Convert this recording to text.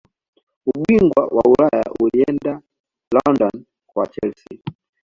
ubingwa wa ulaya ulienda london kwa chelsea